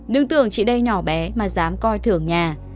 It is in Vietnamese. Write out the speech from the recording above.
nữ tưởng chỉ đây nhỏ bé mà dám coi thưởng nhà